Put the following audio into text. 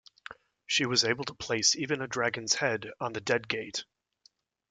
She was able to place even a dragon's head on the "Deadgate".